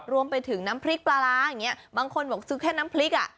รวมไปถึงน้ำพริกปลาร้าบางคนบอกซื้อแค่น้ำพริก